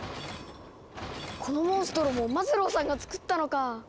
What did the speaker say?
このモンストロもマズローさんがつくったのか。